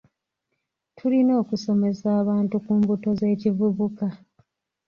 Tulina okusomesa abantu ku mbuto z'ekivubuka.